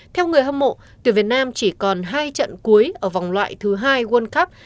theo người hâm mộ tuyển việt nam chỉ còn hai trận cuối ở vòng loại thứ hai world cup